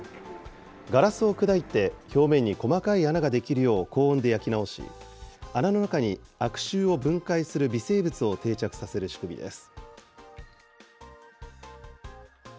ガラスを砕いて表面に細かい穴が出来るよう高温で焼き直し、穴の中に悪臭を分解する微生物を定着させる仕組みです。